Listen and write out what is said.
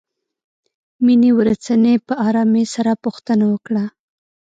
مينې ورڅنې په آرامۍ سره پوښتنه وکړه.